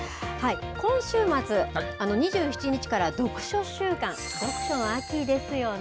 今週末、２７日から読書週間、読書の秋ですよね。